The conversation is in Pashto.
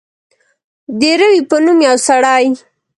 د روي په نوم یو سړی.